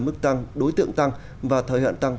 mức tăng đối tượng tăng và thời hạn tăng